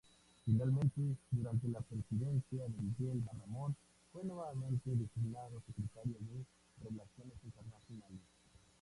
Finalmente durante la presidencia de Miguel Miramón fue nuevamente designado Secretario de Relaciones Internacionales.